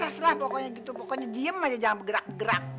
pas lah pokoknya gitu pokoknya diem aja jangan bergerak gerak